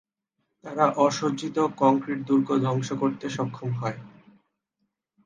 তারা অ-সজ্জিত কংক্রিট দুর্গ ধ্বংস করতে সক্ষম হয়।